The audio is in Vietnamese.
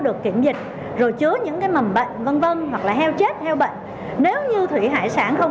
được kiểm dịch rồi chứa những cái mầm bệnh vân vân hoặc là heo chết heo bệnh nếu như thủy hải sản